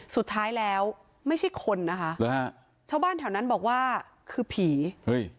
สุดท้ายแล้วไม่ใช่คนนะคะหรือฮะชาวบ้านแถวนั้นบอกว่าคือผีเฮ้ย